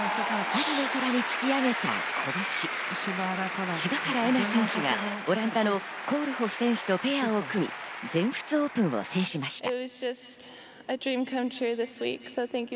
パリの空に突き上げた拳、柴原瑛菜選手がオランダのコールホフ選手とコンビを組み、全仏を制しました。